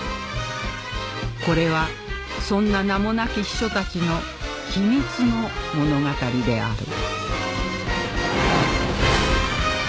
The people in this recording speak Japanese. これはそんな名もなき秘書たちの秘密の物語である